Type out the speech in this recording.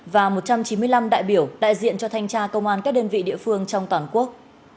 và một trăm chín mươi năm đại biểu đại diện cho thanh tra công an các đơn vị địa phương trong toàn quốc